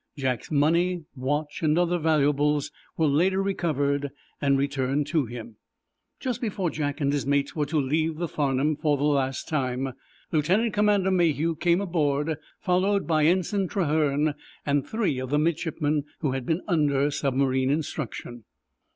Jack's money, watch and other valuables were later recovered and returned to him. Just before Jack and his mates were to leave the "Farnum" for the last time, Lieutenant Commander Mayhew came aboard, followed by Ensign Trahern and three of the midshipmen who had been under submarine instruction.